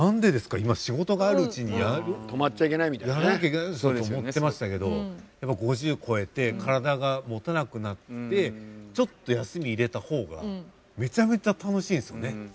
今仕事があるうちにやらなきゃいけないそういうふうに思ってましたけどやっぱ５０超えて体がもたなくなってちょっと休み入れた方がめちゃめちゃ楽しいですよね。